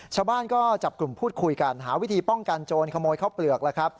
ชาวบ้านก็จับกลุ่มพูดคุยกันหาวิธีป้องกันโจรขโมยข้าวเปลือกแล้วครับ